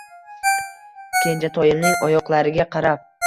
Kenjatoyimning oyoqlariga qarab